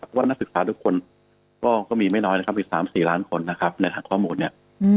เพราะว่านักศึกษาทุกคนก็มีไม่น้อยนะครับอีก๓๔ล้านคนนะครับในทางข้อมูลเนี่ย